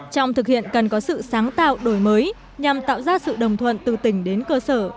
trong thực hiện cần có sự sáng tạo đổi mới nhằm tạo ra sự đồng thuận từ tỉnh đến cơ sở